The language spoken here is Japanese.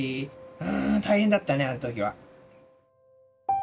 うん大変だったねあの時は。